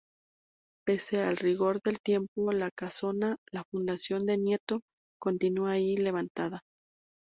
Pese al rigor del tiempo, la casona, la fundación de Nieto, continúa allí levantada.